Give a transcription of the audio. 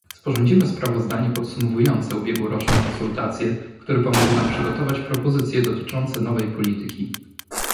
Sporządzimy sprawozdanie podsumowujące ubiegłoroczne konsultacje, które pomoże nam przygotować propozycje dotyczące nowej polityki